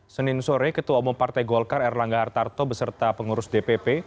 senin sore ketua umum partai golkar erlangga hartarto beserta pengurus dpp